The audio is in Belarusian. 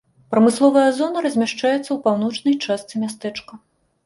Прамысловая зона размяшчаецца ў паўночнай частцы мястэчка.